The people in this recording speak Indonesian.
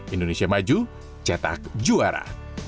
indonesia maju cetak juara